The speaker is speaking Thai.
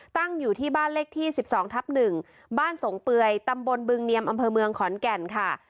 ตั้งอยู่ที่บ้านเลขที่๑๒ทับ๑บ้านสงเปื่อยตำบลบึงเนียมอำเภอเมืองขอนแก่นค่ะ